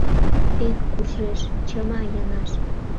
Эх, куржеш, чыма Янаш.